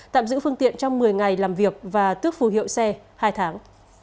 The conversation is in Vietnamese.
tạm giữ phương tiện trong một mươi ngày làm việc và tước phù hiệu xe hai tháng